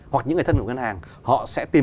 hoặc những người thân của ngân hàng họ sẽ tìm